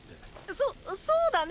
そっそうだね。